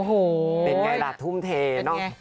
โอ้โฮเป็นอย่างไรล่ะทุ่มเทเป็นอย่างไร